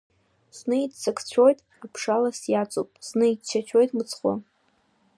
Зны иццакцәоит, аԥшалас иацуп, зны иччацәоит мыцхәы.